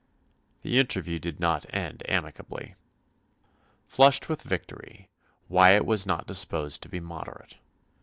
The interview did not end amicably. Flushed with victory, Wyatt was not disposed to be moderate.